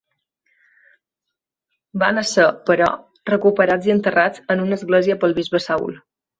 Van ésser, però, recuperats i enterrats en una església pel bisbe Saül.